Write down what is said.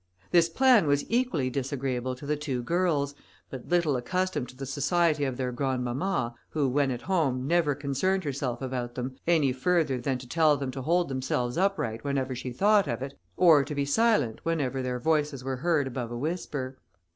This plan was equally disagreeable to the two girls, but little accustomed to the society of their grandmamma, who, when at home, never concerned herself about them, any further than to tell them to hold themselves upright whenever she thought of it, or to be silent whenever their voices were heard above a whisper.